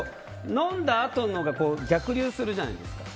飲んだあとのほうが逆流するじゃないですか。